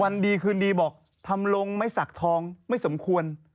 วันดีคืนดีบอกทำลงไม้สักทองไม่สมควร